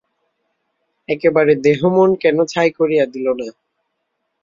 একেবারে দেহমন কেন ছাই করিয়া দিল না।